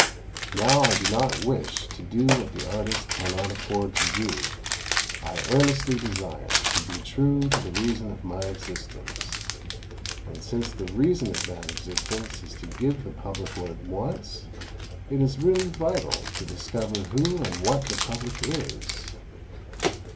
Now, I do not wish to do what the artist cannot afford to do, I earnestly desire to be true to the reason of my existence; and since the reason of that existence is to give the Public what it wants, it is really vital to discover who and what the Public is!"